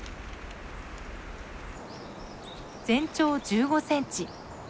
全長１５センチ。